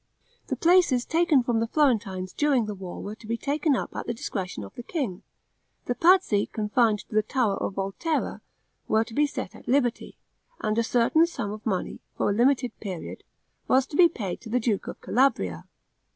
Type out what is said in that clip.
The places taken from the Florentines during the war were to be taken up at the discretion of the king; the Pazzi confined in the tower of Volterra were to be set at liberty, and a certain sum of money, for a limited period, was to be paid to the duke of Calabria.